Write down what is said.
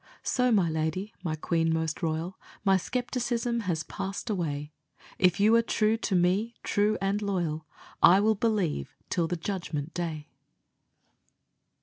So my lady, my queen most royal, My skepticism has passed away; If you are true to me, true and loyal, I will believe till the Judgment day.